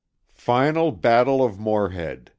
FINAL BATTLE OF MOREHEAD.